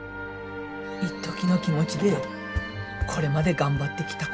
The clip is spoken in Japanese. いっときの気持ちでこれまで頑張ってきた